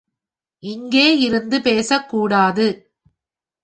இங்கே இருந்து பேசக்கூடாது.